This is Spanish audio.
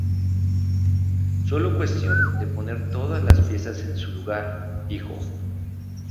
Solo cuestión de poner todas las piezas en su lugar", dijo.